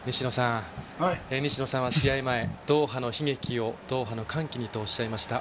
西野さんは試合前ドーハの悲劇をドーハの歓喜にとおっしゃいました。